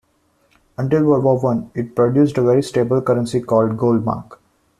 Until World War One it produced a very stable currency called the Goldmark.